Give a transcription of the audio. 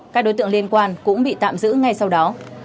các đối tượng liên quan cũng bị tạm giữ ngay sau đó